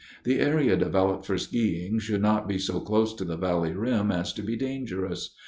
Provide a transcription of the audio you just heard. The area developed for skiing should not be so close to the valley rim as to be dangerous.